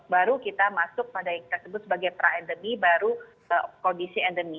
baru kita masuk pada yang kita sebut sebagai pra endemi baru kondisi endemi